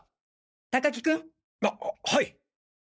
高木君！ははい。